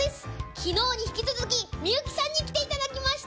昨日に引き続き幸さんに来ていただきました。